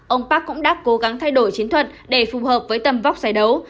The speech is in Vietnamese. ông park cũng đã cố gắng thay đổi chiến thuật để phù hợp với tầm vóc giải đấu